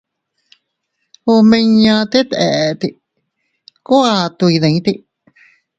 Omiña tet eete ku ato iydite.